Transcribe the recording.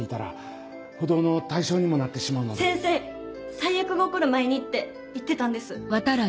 「『最悪』が起こる前に」って言ってたんです。